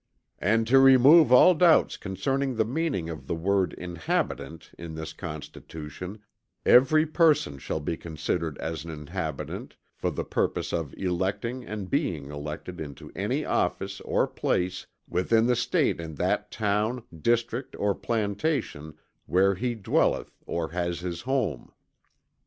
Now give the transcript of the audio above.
"And to remove all doubts concerning the meaning of the word 'inhabitant' in this constitution, every person shall be considered as an inhabitant, for the purpose of electing and being elected into any office or place within the State in that town, district or plantation where he dwelleth or has his home."